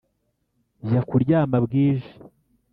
jya kuryama bwije